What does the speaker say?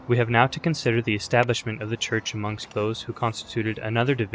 We have now to consider the establishment of the Church amongst those who constituted another division of "'Eph.